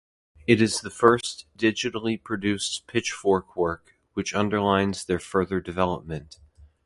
It is the first digitally produced Pitchfork work, which underlines their further development.